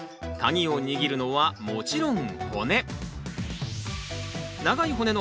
カギを握るのはもちろん骨。